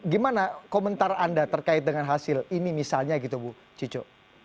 gimana komentar anda terkait dengan hasil ini misalnya gitu bu cicu